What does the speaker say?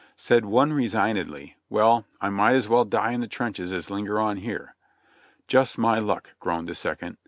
Said one resignedly : "Well, I might as well die in the trenches as linger on here." "Just my luck," groaned the second.